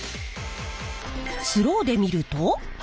スローで見ると。